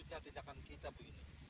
selanjutnya tindakan kita begini